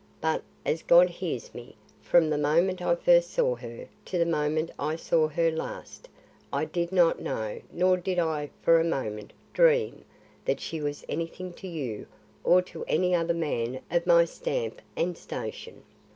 But, as God hears me, from the moment I first saw her, to the moment I saw her last, I did not know, nor did I for a moment dream that she was anything to you or to any other man of my stamp and station.